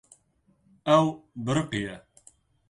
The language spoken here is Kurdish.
Ew biriqiye.